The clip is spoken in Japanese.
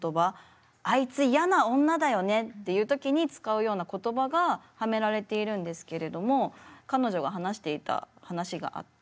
あいつ嫌な女だよねっていう時に使うような言葉がはめられているんですけれども彼女が話していた話があって。